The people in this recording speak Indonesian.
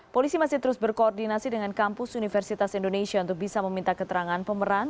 polisi masih terus berkoordinasi dengan kampus universitas indonesia untuk bisa meminta keterangan pemeran